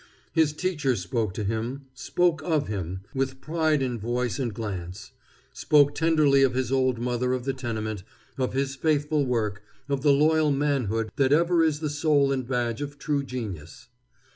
His teacher spoke to him, spoke of him, with pride in voice and glance; spoke tenderly of his old mother of the tenement, of his faithful work, of the loyal manhood that ever is the soul and badge of true genius.